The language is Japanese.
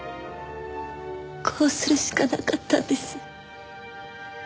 こうするしかなかったんです。